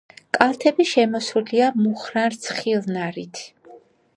კალთები შემოსილია მუხნარ-რცხილნარით.